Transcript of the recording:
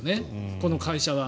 この会社は。